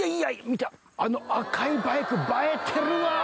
あの赤いバイク映えてるわ！